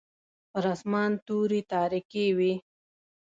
پر اسمان توري تاریکې وې.